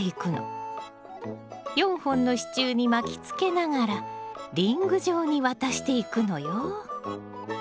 ４本の支柱に巻きつけながらリング状に渡していくのよ。